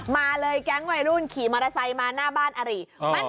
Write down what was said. มาเลยแก๊งวัยรุ่นขี่มอเตอร์ไซค์มาหน้าบ้านอาริ